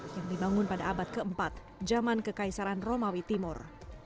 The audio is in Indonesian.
yang dibangun pada abad keempat zaman kekaisaran romawi timur